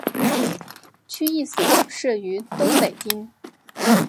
区役所设于东本町。